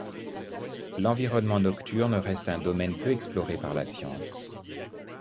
L'environnement nocturne reste un domaine peu exploré par la science.